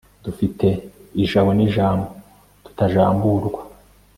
dufite ijabo n'ijambo tutajamburwa